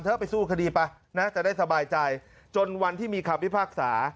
ถ้าไปสู้คดีไปนะจะได้สบายใจจนวันที่มีคำพิพากษา